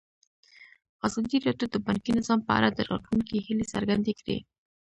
ازادي راډیو د بانکي نظام په اړه د راتلونکي هیلې څرګندې کړې.